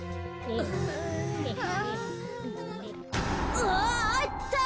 うわあった！